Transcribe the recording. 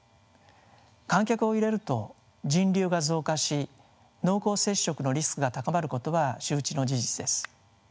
観客を入れると人流が増加し濃厚接触のリスクが高まることは周知の事実です。